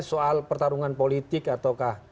soal pertarungan politik ataukah